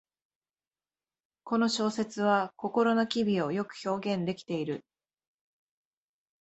この小説は心の機微をよく表現できている